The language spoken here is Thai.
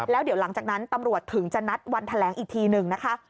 แล้วเดี๋ยวหลังจากนั้นตำรวจถึงจะนัดวันแถลงอีกทีหนึ่งนะคะ